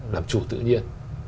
làm chủ tự nhiên